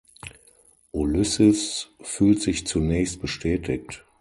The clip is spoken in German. Ulysses fühlt sich zunächst bestätigt.